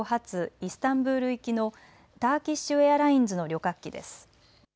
イスタンブール行きのターキッシュエアラインズの旅客機です。